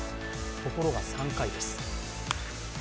ところが３回です。